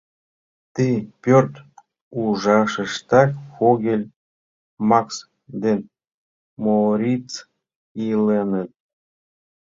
Ты пӧрт ужашыштак Фогель, Макс ден Моориц иленыт.